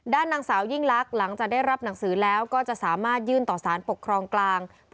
นางสาวยิ่งลักษณ์หลังจากได้รับหนังสือแล้วก็จะสามารถยื่นต่อสารปกครองกลาง